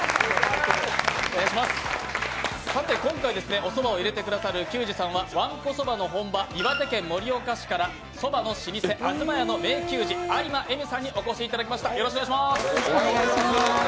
さて今回、おそばを入れてくださる給仕さんはわんこそばの本場、岩手県盛岡市からそばの老舗東家の名給仕、有馬恵美さんにお越しいただきました。